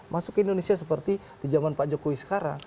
masuk ke indonesia seperti di zaman pak jokowi sekarang